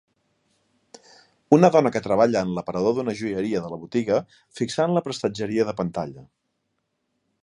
una dona que treballa en el aparador d'una joieria de la botiga fixant la prestatgeria de pantalla